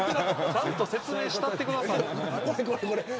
ちゃんと説明してあげてくださいよ。